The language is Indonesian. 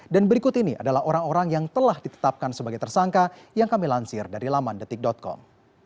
dan berikut ini adalah orang orang yang telah ditetapkan sebagai tersangka yang kami lansir dari lamandetik com